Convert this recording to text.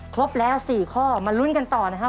ครบแล้ว๔ข้อมาลุ้นกันต่อนะครับ